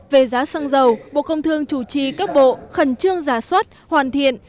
về giá xăng dầu bộ công thương chủ trì các bộ khẩn trương giả soát hoàn thiện